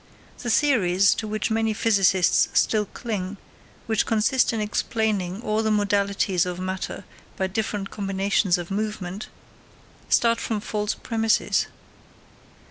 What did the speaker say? The theories to which many physicists still cling, which consist in explaining all the modalities of matter by different combinations of movement, start from false premises.